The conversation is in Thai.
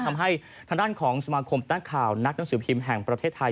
ทำให้ทางด้านของสมาคมนักข่าวนักหนังสือพิมพ์แห่งประเทศไทย